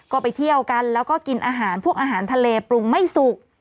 ก็ไปเที่ยวกันแล้วก็กินอาหารพวกอาหารทะเลปรุงไม่สุก